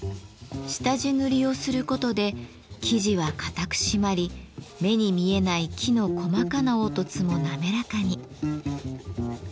下地塗りをすることで木地は固く締まり目に見えない木の細かな凹凸も滑らかに。